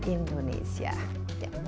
indonesia ya bye bye